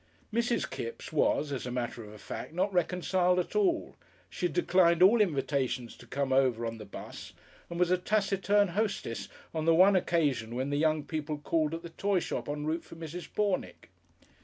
Mrs. Kipps was, as a matter of fact, not reconciled at all, she had declined all invitations to come over on the 'bus, and was a taciturn hostess on the one occasion when the young people called at the toy shop en route for Mrs. Pornick.